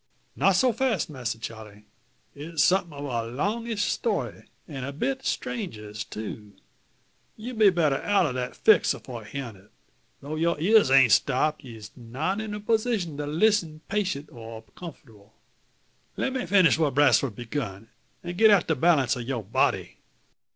"Not so fass, Masser Charle. It's something o' a longish story, an' a bit strangeish too. You'll be better out o' that fix afore hearin' it. Though your ears aint stopped, yez not in a position to lissen patient or comfortable. First let me finish what Brasfort's begun, and get out the balance o' your body."